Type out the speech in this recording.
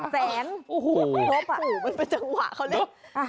แสนโอ้โหมันเป็นจังหวะเขาได้